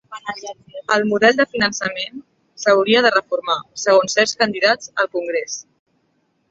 El model de finançament s'hauria de reformar, segons certs candidats al congrés